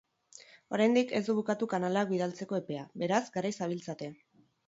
Oraindik ez da bukatu kanalak bidaltzeko epea, beraz, garaiz zabiltzate!